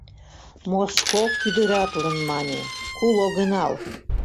Моско кӱдыратлын мане: «Кул огынал!»